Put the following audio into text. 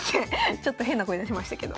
ちょっと変な声出しましたけど。